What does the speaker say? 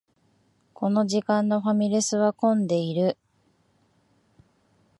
この時間のファミレスは混んでいる